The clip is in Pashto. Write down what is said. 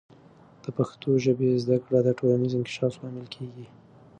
د پښتو ژبې زده کړه د ټولنیز انکشاف لامل کیږي.